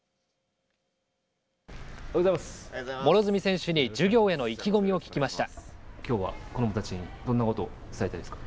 両角選手に授業への意気込みを聞きました。